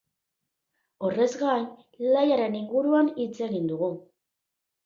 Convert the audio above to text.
Horrez gain, lehiaren inguruan hitz egin dugu.